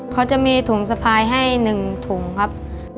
เขาจะมีถุงสะพายให้๑ถุงครับ